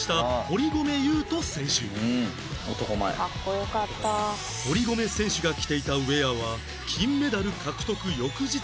堀米選手が着ていたウェアは金メダル獲得翌日に完売